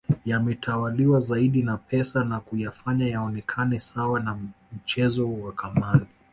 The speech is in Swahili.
Yametawaliwa zaidi na pesa na kuyafanya yaonekane sawa na mchezo wa kamali